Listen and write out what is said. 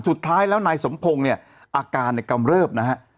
สุดท้ายแล้วนายสมพงศ์อาการกำเริบนะครับ